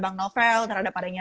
bang novel terhadap adanya